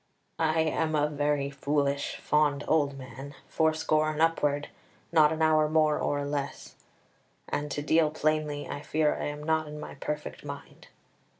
"I am a very foolish, fond old man, fourscore and upward, not an hour more or less; and, to deal plainly, I fear I am not in my perfect mind.